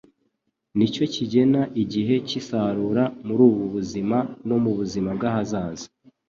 Nicyo kigena igihe cy'isarura, mur'ubu buzima no mu buzima bw'ahazaza.